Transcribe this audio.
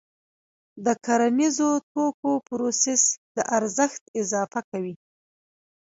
د کرنیزو توکو پروسس د ارزښت اضافه کوي.